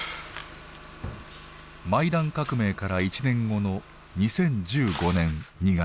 マイダン革命から１年後の２０１５年２月。